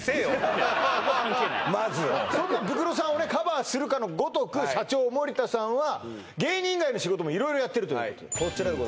そんなブクロさんをカバーするかのごとく社長森田さんは芸人以外の仕事も色々やってるこちらです